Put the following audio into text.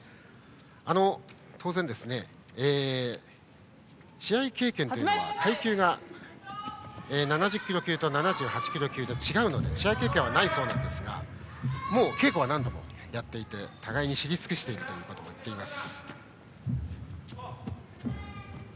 当然、試合経験というのは階級が７０キロ級と７８キロ級で違うので試合経験はないそうですが稽古は何度もやっていて互いに知り尽くしていると言っています。